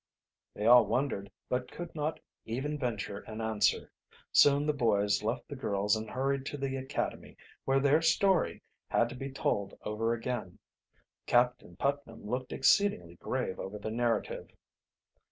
They all wondered, but could not even venture an answer. Soon the boys left the girls and hurried to the academy, where their story, had to be told over again. Captain Putnam looked exceedingly grave over the narrative.